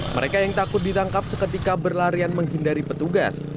mereka yang takut ditangkap seketika berlarian menghindari petugas